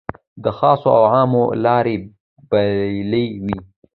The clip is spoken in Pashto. د خاصو او عامو لارې بېلې وې.